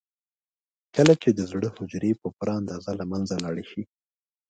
کله چې د زړه حجرې په پوره اندازه له منځه لاړې شي.